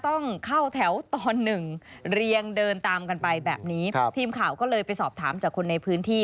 ต้องเข้าแถวตอนหนึ่งเรียงเดินตามกันไปแบบนี้ครับทีมข่าวก็เลยไปสอบถามจากคนในพื้นที่